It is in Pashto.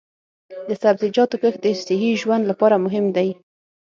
د سبزیجاتو کښت د صحي ژوند لپاره مهم دی.